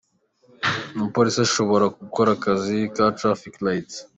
Umupolisi ashobora gukora akazi ka ‘traffic lights’.